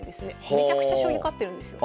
めちゃくちゃ将棋勝ってるんですよ。